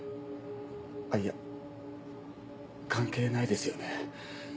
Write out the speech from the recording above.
あっいや関係ないですよね。